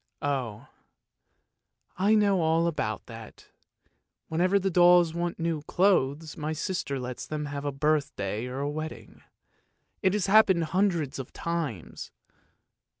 " Oh, I know all about that ; whenever the dolls want new clothes my sister lets them have a birthday or a wedding. It has happened hundreds of times!